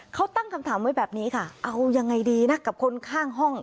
เขาตั้งคำถามไว้แบบนี้ค่ะเอายังไงดีนะกับคนข้างห้อง